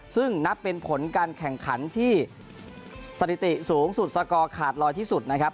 ซึ่งนับเป็นผลการแข่งขันที่สถิติสูงสุดสกอร์ขาดลอยที่สุดนะครับ